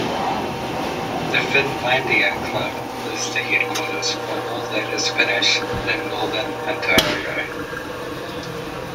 The Finlandia Club is the headquarters for all that is Finnish in northern Ontario.